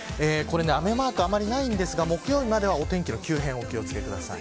雨マークあまりないんですが木曜日までは、お天気の急変にお気を付けください。